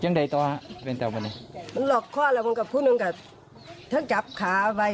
จ้างใดตัวเป็นเมืองเตาบนใน